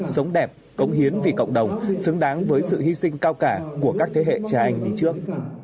sống đẹp cống hiến vì cộng đồng xứng đáng với sự hy sinh cao cả của các thế hệ cha anh đi trước